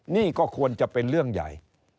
นี่ก็ควรจะเป็นเรื่องใหญ่